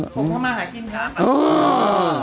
ผมทำมาหากินครับ